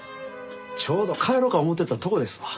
ちょうど帰ろか思うてたとこですわ。